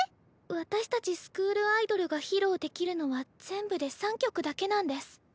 私たちスクールアイドルが披露できるのは全部で３曲だけなんです。